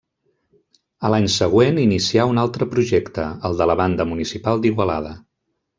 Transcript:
A l'any següent inicià un altre projecte, el de la Banda Municipal d'Igualada.